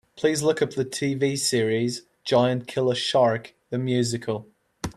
Please look up the TV series Giant Killer Shark: The Musical.